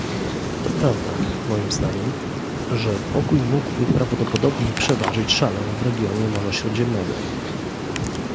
To prawda, moim zdaniem, że pokój mógłby prawdopodobnie przeważyć szalę w regionie Morza Śródziemnego